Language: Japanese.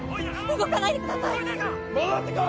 動かないでください！